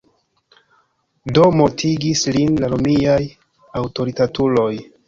Do mortigis lin la romiaj aŭtoritatuloj.